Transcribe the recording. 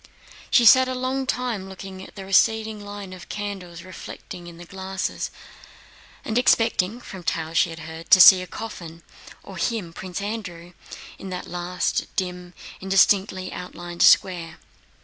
She sat a long time looking at the receding line of candles reflected in the glasses and expecting (from tales she had heard) to see a coffin, or him, Prince Andrew, in that last dim, indistinctly outlined square.